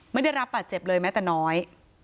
ไม่ได้รับบาดเจ็บเลยแม้แต่น้อย